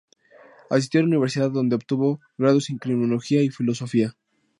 Asistió a la Universidad donde obtuvo grados en criminología y filosofía.